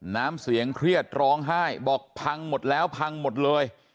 น้ำเสียงเครียดร้องไห้บอกพังหมดแล้วพังหมดเลย